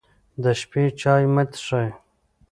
د شپې چای مه څښئ.